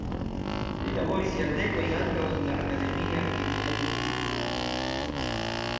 Li laboris jardekojn ankaŭ en la akademia kemia instituto.